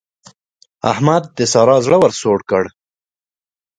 احمد د سارا زړه ور سوړ کړ.